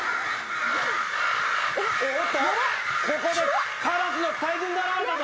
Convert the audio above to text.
おっとここでカラスの大群が現れたぞ！